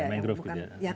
mangrove gitu ya